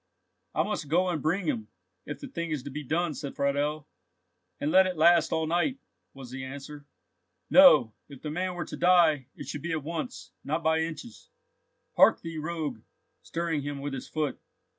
"I must go and bring him, if the thing is to be done," said Friedel. "And let it last all night!" was the answer. "No, if the man were to die, it should be at once, not by inches. Hark thee, rogue!" stirring him with his foot.